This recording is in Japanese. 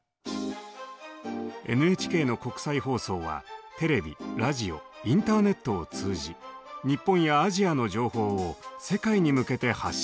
ＮＨＫの国際放送はテレビラジオインターネットを通じ日本やアジアの情報を世界に向けて発信しています。